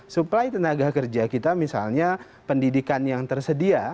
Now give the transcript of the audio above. suplai tenaga kerja kita misalnya pendidikan yang tersedia